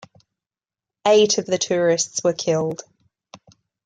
Eight of the tourists were killed.